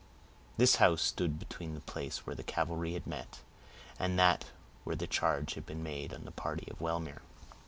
This house stood between the place where the cavalry had met, and that where the charge had been made on the party of Wellmere.